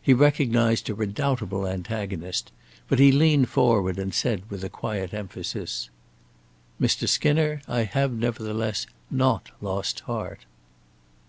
He recognized a redoubtable antagonist, but he leaned forward and said with a quiet emphasis: "Mr. Skinner, I have, nevertheless, not lost heart."